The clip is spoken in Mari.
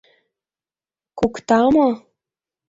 — Кукта мо?